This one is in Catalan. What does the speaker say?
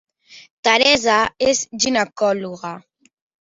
Teresa és ginecòloga